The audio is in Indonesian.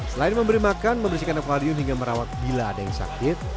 selain memberi makan membersihkan aquadium hingga merawat bila ada yang sakit